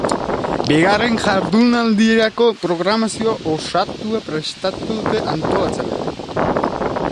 Bigarren jardunaldirako programazio osatua prestatu dute antolatzaileek.